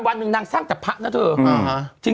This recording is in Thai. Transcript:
วันนึงนางสร้างจากพระนะเถอะ